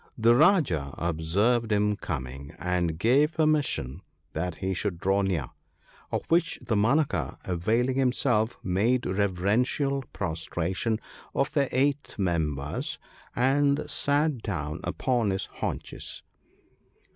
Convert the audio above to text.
The Rajah observed him coming, and gave permission that he should draw near ; of which Damanaka availing himself, made reverential prostration of the eight members, and sat down upon his haunches.